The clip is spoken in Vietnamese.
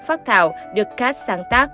phát thảo được kat sáng tác